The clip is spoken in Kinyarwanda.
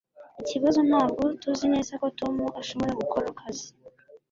Ikibazo ntabwo tuzi neza ko Tom ashobora gukora akazi